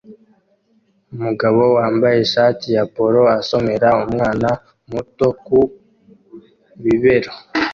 Umugabo wambaye ishati ya polo asomera umwana muto ku bibero